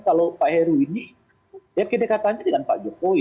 kalau pak heru ini ya kedekatannya dengan pak jokowi